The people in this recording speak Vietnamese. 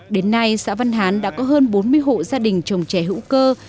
đến nay xã văn hán đã có hơn bốn mươi hộ gia đình trồng chè hữu cơ